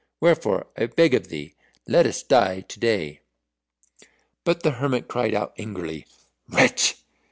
Wherefore I beg of thee, let us die to day." But the hermit cried out angrily, "Wretch!